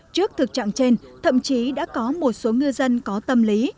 trước thực trạng trên thậm chí đã có một số ngư dân có tâm lý